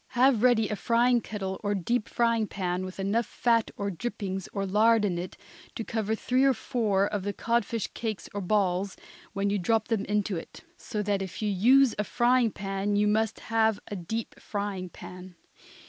Have ready a frying kettle or deep frying pan with enough fat or drippings, or lard, in it to cover three or four of the codfish cakes or balls, when you drop them into it. So that if you use a frying pan you must have a deep frying pan.